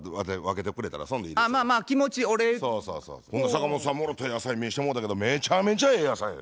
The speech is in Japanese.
坂本さんもろた野菜見してもうたけどめちゃめちゃええ野菜で。